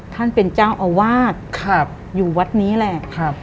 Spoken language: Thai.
อ๋อท่านเป็นเจ้าอวาสอยู่วัดนี้แหละ